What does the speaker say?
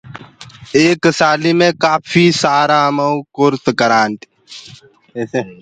ايڪ سآليٚ مي همآ ڪوٚ ڪاڦيٚ سآرآ ڪورس ڪرآن تي۔